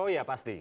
oh ya pasti